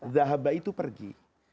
zahaba itu pergi